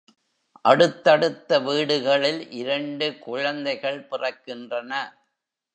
அடுத்தடுத்த வீடுகளில் இரண்டு குழந்தைகள் பிறக்கின்றன.